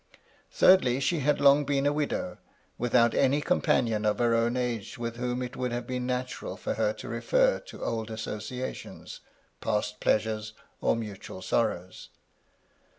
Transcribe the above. Thirdly, she had long been a widow, without any companion of her own age with whom it would have been natural for her to refer to old associations, past pleasures, or mutual sorrows.